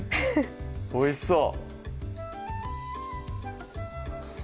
おいしそう！